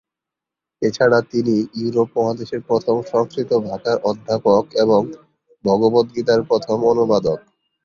এছাড়া তিনি ইউরোপ মহাদেশের প্রথম সংস্কৃত ভাষার অধ্যাপক এবং "ভগবত গীতা"র প্রথম অনুবাদক।